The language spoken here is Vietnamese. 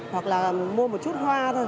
hoặc là mua một chút hoa thôi